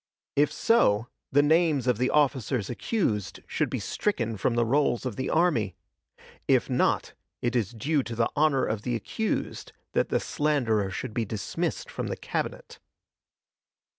If so, the names of the officers accused should be stricken from the rolls of the army; if not, it is due to the honor of the accused that the slanderer should be dismissed from the Cabinet.